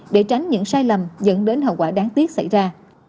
để tránh những sai lầm dẫn đến hậu quả đáng tiếc xảy ra